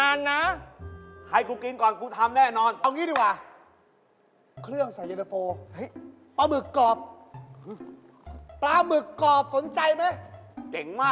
อะไรนะเย็นตะโฟให้กินเลยเพราะมันเย็นแล้ว